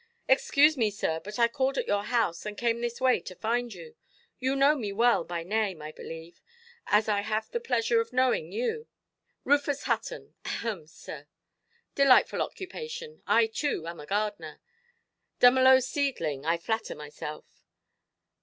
"Excuse me, sir, but I called at your house, and came this way to find you. You know me well, by name, I believe; as I have the pleasure of knowing you. Rufus Hutton; ahem, sir! Delightful occupation! I, too, am a gardener. 'Dumelow Seedling', I flatter myself.